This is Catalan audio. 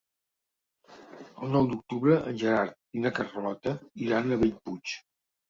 El nou d'octubre en Gerard i na Carlota iran a Bellpuig.